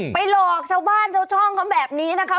ไปหลอกเจ้าบ้านเจ้าช่องคำแบบนี้นะครับ